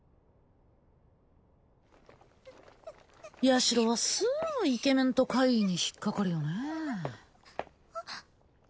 ヤシロはすぐイケメンと怪異に引っかかるよね